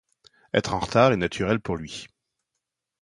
Être en retard est naturel pour lui.